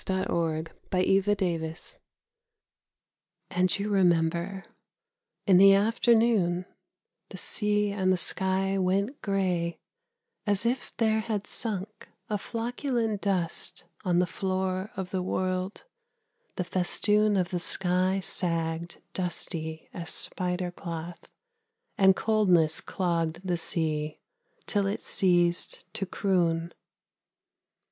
COLDNESS IN LOVE And you remember, in the afternoon The sea and the sky went grey, as if there had sunk A flocculent dust on the floor of the world: the festoon Of the sky sagged dusty as spider cloth, And coldness clogged the sea, till it ceased to croon.